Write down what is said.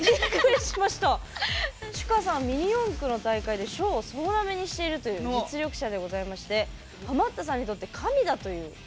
シュカさん、ミニ四駆の大会で賞を総なめにしているという実力者でございましてハマったさんにとって神だという。